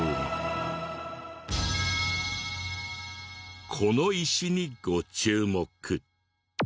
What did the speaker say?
この石にご注目。